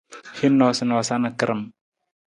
Hin noosanoosa na karam.